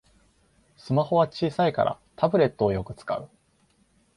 スマホは小さいからタブレットをよく使う